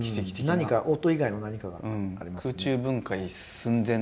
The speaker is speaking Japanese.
何か音以外の何かがありますよね。